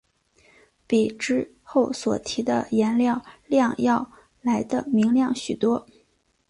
比之后所提的颜料靛要来得明亮许多。